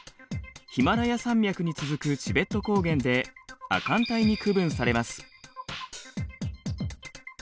ヒマラヤ山脈に続くチベット高原で亜寒帯に区分されます。